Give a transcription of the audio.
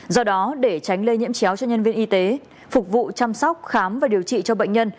do đó để tránh lây nhiễm chéo cho nhân viên y tế phục vụ chăm sóc khám và điều trị cho bệnh nhân